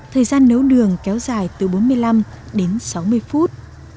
thời gian nấu đường kéo dài từ bốn mươi năm đến sáu mươi phút